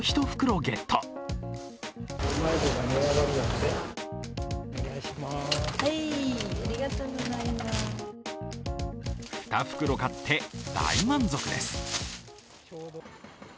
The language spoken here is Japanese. ２袋買って、大満足です。